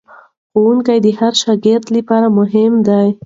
ښوونکی د هر شاګرد لپاره مهم دی.